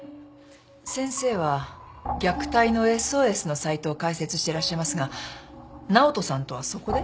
先生は虐待のＳＯＳのサイトを開設してらっしゃいますが直人さんとはそこで？